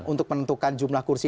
untuk menentukan jumlah kursi